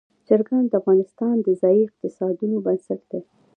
چرګان د افغانستان د ځایي اقتصادونو بنسټ دی.